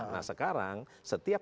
nah sekarang setiap